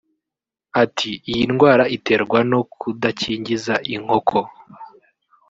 Ati” Iyi ni indwara iterwa no kudakingiza inkoko